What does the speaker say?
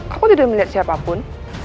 aku tidak melihat siapapun